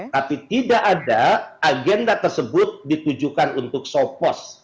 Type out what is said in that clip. tapi tidak ada agenda tersebut ditujukan untuk sopos